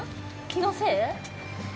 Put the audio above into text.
気のせい？